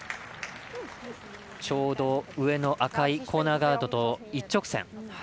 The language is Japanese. ちょうど上の赤いコーナーガードと一直線。